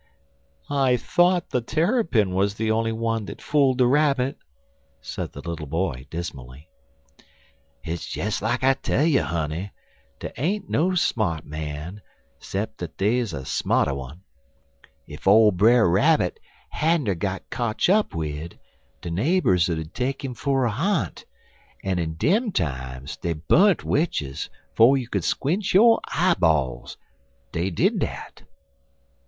"I thought the Terrapin was the only one that fooled the Rabbit," said the little boy, dismally. "Hit's des like I tell you, honey. Dey ain't no smart man, 'cep' w'at dey's a smarter. Ef ole Brer Rabbit hadn't er got kotch up wid, de nabers 'ud er took 'im for a ha'nt, en in dem times dey bu'nt witches 'fo' you could squinch yo' eyeballs. Dey did dat."